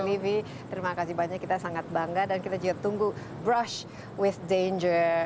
livi terima kasih banyak kita sangat bangga dan kita juga tunggu brush wis danger